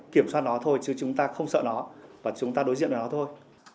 kiểm soát nó thôi chứ chúng ta không sợ nó và chúng ta đối diện với nó thôi